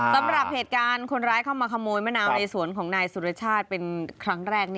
สำหรับเหตุการณ์คนร้ายเข้ามาขโมยมะนาวในสวนของนายสุรชาติเป็นครั้งแรก